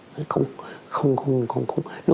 nó không có oxy thì nó không thể chuyển hóa được